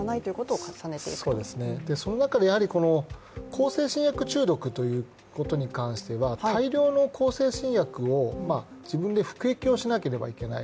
その中で向精神薬中毒ということに関しては大量の向精神薬を自分で服薬をしなければいけない。